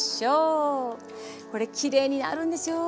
これきれいになるんですよ。